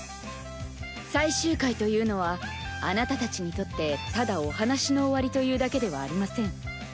最終回というのはあなたたちにとってただお話の終わりというだけではありません。